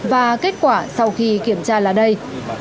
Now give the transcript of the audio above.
và kết quả sau khi kiểm tra là đây